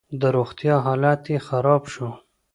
د روغتيا حالت يې خراب شو.